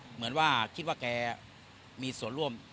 เหมือนว่าคิดว่าแกมีส่วนร่วม